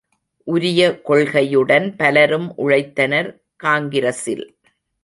உயரிய கொள்கையுடன் பலரும் உழைத்தனர் காங்கிரசில்.